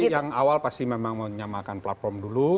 pasti yang awal memang menyamakan platform dulu